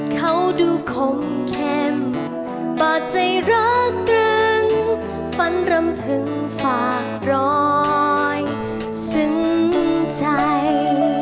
เขาดูคมเข้มบาดใจรักกรึ้งฟันรำพึงฝากรอยซึ้งใจ